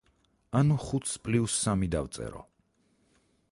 ანუ ხუთს პლუს სამი დავწერო.